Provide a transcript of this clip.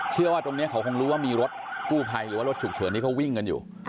เชื่อว่าตรงนี้เขาคงรู้ว่ามีรถกู้ภัยหรือว่ารถฉุกเฉินที่เขาวิ่งกันอยู่